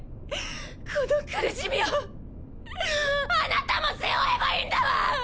この苦しみをあなたも背負えばいいんだわ！